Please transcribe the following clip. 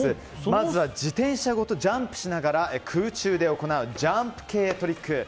まずは自転車ごとジャンプしながら空中で行うジャンプ系トリック。